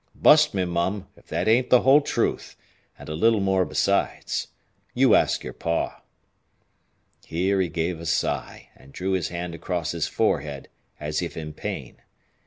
Bust me, mum, if that ain't the whole truth, an' a little more besides. You ask your pa." Here he gave a sigh, and drew his hand across his forehead as if in pain.